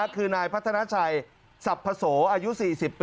คือนายพระธนชัยสับพโสอายุ๔๐ปี